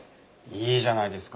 いいじゃないですか。